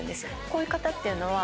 こういう方っていうのは。